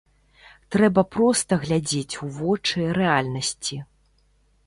Трэба проста глядзець у вочы рэальнасці.